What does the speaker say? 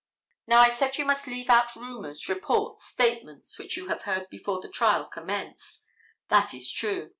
Now I said you must leave out rumors, reports, statements which you have heard before the trial commenced. That is true.